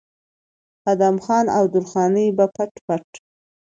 ادم خان او درخانۍ به پټ پټ